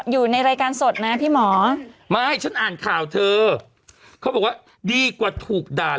อยู่ในรายการสดนะพี่หมอไม่ฉันอ่านข่าวเธอเขาบอกว่าดีกว่าถูกด่า